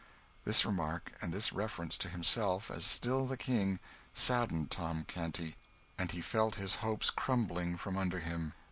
This remark, and this reference to himself as still the King, saddened Tom Canty, and he felt his hopes crumbling from under him.